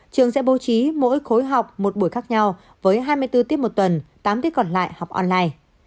trường sẽ bố trí mỗi khối học một buổi khác nhau với hai mươi bốn tiết một tuần tám tiết còn lại học online